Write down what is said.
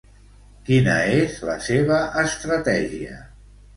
Quina és la seva estratègia?